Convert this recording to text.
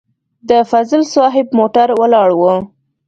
د فضل صاحب موټر ولاړ و.